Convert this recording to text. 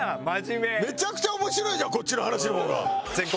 めちゃくちゃ面白いじゃんこっちの話の方が。